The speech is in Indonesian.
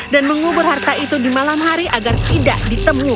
dan mengubur harta itu di malam hari agar tidak ditemukan